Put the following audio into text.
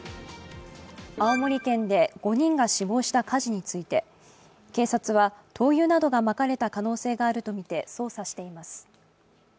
青森県で５人が死亡した火事について警察は灯油などがまかれた可能性があるとみて捜査しています。